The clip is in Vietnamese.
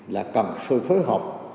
là cần sôi phối hợp